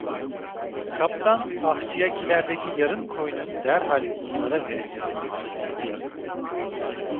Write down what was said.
Kaptan ahçıya kilerdeki yarım koyunun derhal bunlara verilmesini söyledi.